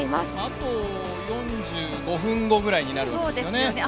あと４５分後ぐらいになるんですよね。